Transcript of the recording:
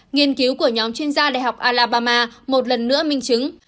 nghiên cứu của nhóm chuyên gia đại học alabama một lần nữa minh chứng